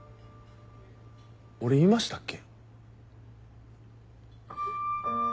俺言いましたっけ？